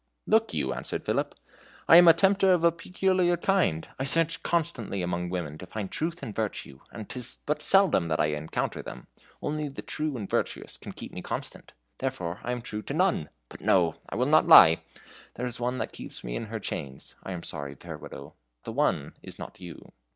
"Look you," answered Philip, "I am a tempter of a peculiar kind. I search constantly among women to find truth and virtue, and 'tis but seldom that I encounter them. Only the true and virtuous can keep me constant therefore I am true to none; but no! I will not lie there is one that keeps me in her chains I am sorry, fair Widow, that that one is not you!"